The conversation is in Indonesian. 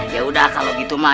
yaudah kalau gitu mah